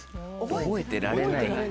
覚えてられない？